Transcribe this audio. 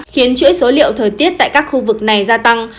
khiến chuỗi số liệu thời tiết tại các khu vực này gia tăng